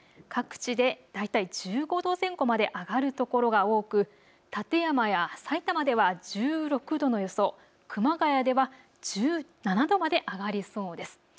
各地で大体１５度前後まで上がる所が多く館山やさいたまでは１６度の予想、熊谷では１７度まで上がりそうです。